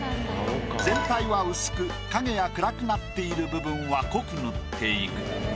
全体は薄く影や暗くなっている部分は濃く塗っていく。